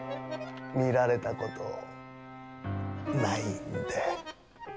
見られたことないんで。